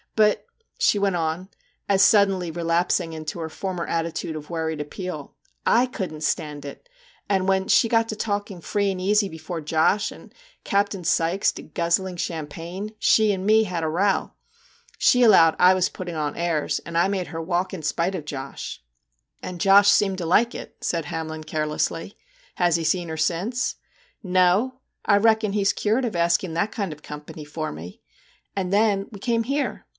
But/ she went on, as suddenly relapsing into her former attitude of worried appeal, '/ couldn't stand it, and when she got to talking free and easy before Josh, and Captain Sykes to guzzling champagne, she and me had a row. She allowed I was putting on airs, and I made her walk, in spite of Josh/ MR. JACK HAMLIN'S MEDIATION 23 'And Josh seemed to like it,' said Hamlin carelessly. 'Has he seen her since ?' 'No! I reckon he's cured of asking that kind of company for me. And then we came here.